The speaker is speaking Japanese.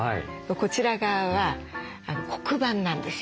こちら側は黒板なんですよ。